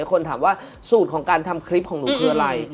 คนถามว่าสูตรของการทำคลิปของหนูคืออะไร